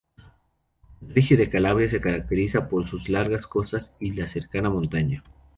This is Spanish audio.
Regio de Calabria se caracteriza por sus largas costas y la cercana montaña.